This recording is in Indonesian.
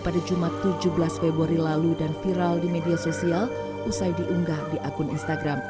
pada jumat tujuh belas februari lalu dan viral di media sosial usai diunggah di akun instagram